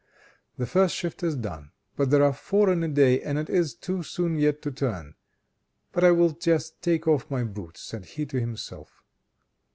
"The first shift is done, but there are four in a day, and it is too soon yet to turn. But I will just take off my boots," said he to himself.